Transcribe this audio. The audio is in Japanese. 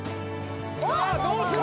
さあどうする？